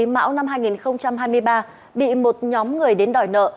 tỉnh mão năm hai nghìn hai mươi ba bị một nhóm người đến đòi nợ